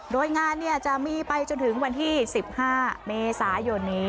โดยงานจะมีไปจนถึงวันที่๑๕เมษายนนี้